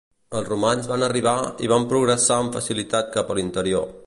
Els romans van arribar i van progressar amb facilitat cap a l'interior.